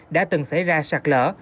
đã từng xảy ra sạt lỡ